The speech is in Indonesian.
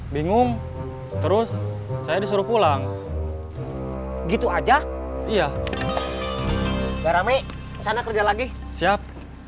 bingung terus saya disuruh pulang gitu aja iya gak rame sana kerja lagi siap